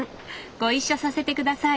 ご一緒させて下さい！